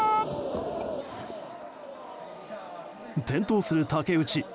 転倒する竹内。